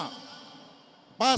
di kategori pasukan